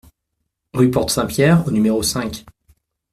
Rue Porte Saint-Pierre au numéro cinq